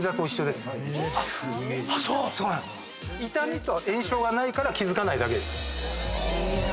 痛みと炎症がないから気付かないだけ。